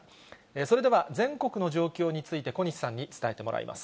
それでは全国の状況について、小西さんに伝えてもらいます。